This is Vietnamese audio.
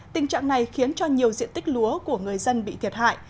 tình trạng này khiến cho nhiều diện tích lúa của người dân bị thiệt hại